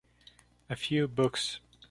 A few books.